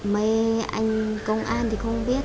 mấy anh công an thì không biết